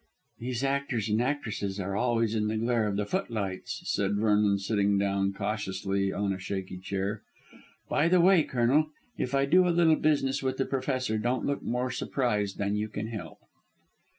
"These actors and actresses are always in the glare of the footlights," said Vernon, sitting down cautiously on a shaky chair. "By the way, Colonel, if I do a little business with the Professor don't look more surprised than you can help."